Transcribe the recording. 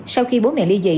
sau khi bố mẹ ly dị